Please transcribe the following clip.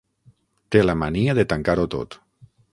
Té la mania de tancar-ho tot.